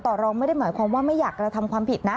รองไม่ได้หมายความว่าไม่อยากกระทำความผิดนะ